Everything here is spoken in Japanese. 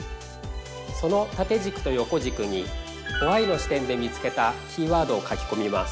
その縦軸と横軸にＷＨＹの視点で見つけたキーワードを書きこみます。